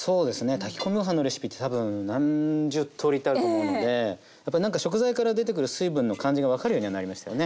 炊き込みご飯のレシピって多分何十とおりってあると思うのでやっぱなんか食材から出てくる水分の感じが分かるようにはなりましたよね。